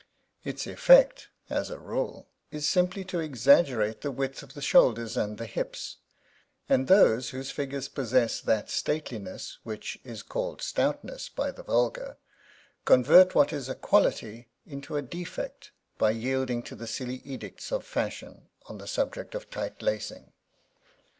Its effect, as a rule, is simply to exaggerate the width of the shoulders and the hips; and those whose figures possess that stateliness which is called stoutness by the vulgar, convert what is a quality into a defect by yielding to the silly edicts of Fashion on the subject of tight lacing.